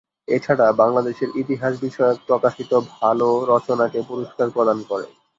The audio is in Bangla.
এছাড়া বাংলাদেশের ইতিহাস বিষয়ক প্রকাশিত ভালো রচনাকে পুরস্কার প্রদান করে।